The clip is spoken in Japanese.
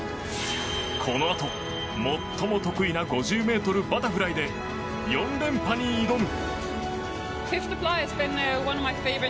このあと最も得意な５０ｍバタフライで４連覇に挑む。